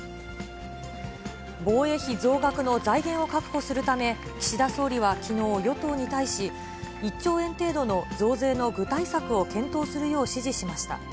防衛費増額の財源を確保するため、岸田総理はきのう、与党に対し、１兆円程度の増税の具体策を検討するよう指示しました。